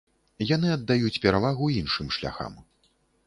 Яны аддаюць перавагу іншым шляхам.